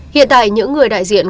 hiện tại những người đại diện